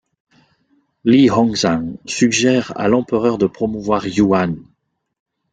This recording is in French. Li Hongzhang suggère à l'empereur de promouvoir Yuan.